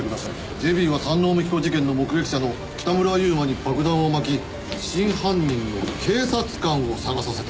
「ＪＢは山王美紀子事件の目撃者の北村悠馬に爆弾を巻き真犯人の警察官を捜させている」